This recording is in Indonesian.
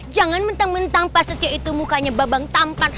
jangan mentang mentang mas setio itu mukanya babang tampan